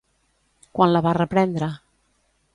Quan la va reprendre?